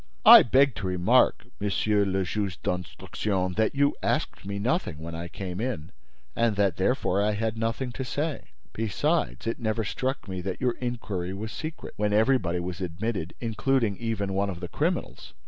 "I beg to remark, Monsieur le Juge d'Instruction, that you asked me nothing when I came in, and that therefore I had nothing to say. Besides, it never struck me that your inquiry was secret, when everybody was admitted—including even one of the criminals!"